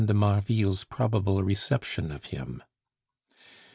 de Marville's probable reception of him.